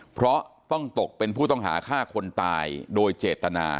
เพราะต้องตกเป็นผู้ต้องหาฆ่าคนตายโดยเจตนา